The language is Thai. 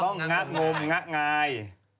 ต้องงะงมง่าย